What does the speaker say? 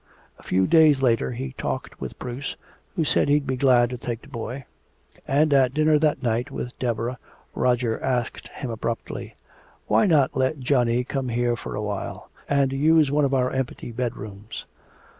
A few days later he talked with Bruce, who said he'd be glad to take the boy. And at dinner that night with Deborah, Roger asked abruptly, "Why not let Johnny come here for a while and use one of our empty bedrooms?"